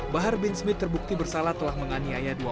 bahar bin smith terbukti bersalah telah menganiaya